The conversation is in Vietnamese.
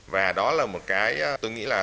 và đó là một cái tôi nghĩ là